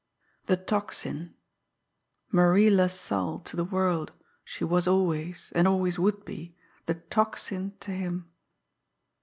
The Tocsin! Marie LaSalle to the world, she was always, and always would be, the Tocsin to him.